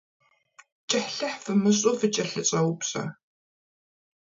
Кӏыхьлӏыхь фымыщӏу, фыкӏэлъыщӏэупщӏэ.